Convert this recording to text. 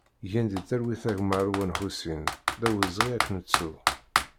Gen di talwit a gma Alwan Ḥusin, d awezɣi ad k-nettu!